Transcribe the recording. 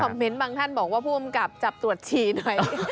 เมนต์บางท่านบอกว่าผู้กำกับจับตรวจฉี่หน่อย